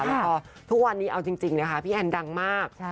แล้วก็ทุกวันนี้เอาจริงนะคะพี่แอนดังมาก